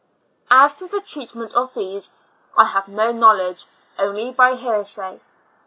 As to the treatment of these, I have no knowledge, only by hearsay.